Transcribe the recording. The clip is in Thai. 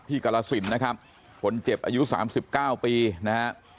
ที่กรสินนะครับคนเจ็บอายุ๓๙ปีนะครับ